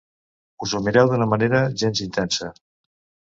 Us ho mireu d'una manera gens intensa.